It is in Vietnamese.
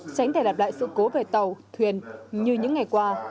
tránh thể đạp lại sự cố về tàu thuyền như những ngày qua